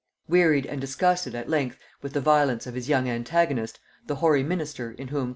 Wearied and disgusted at length with the violence of his young antagonist, the hoary minister, in whom